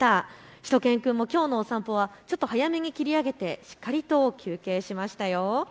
しゅと犬くんもきょうのお散歩はちょっと早めに切り上げてしっかり休憩しました。